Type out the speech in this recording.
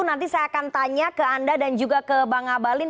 nanti saya akan tanya ke anda dan juga ke bang abalin